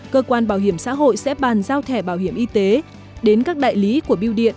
cơ quan bảo hiểm xã hội sẽ bàn giao thẻ bảo hiểm y tế đến các đại lý của biêu điện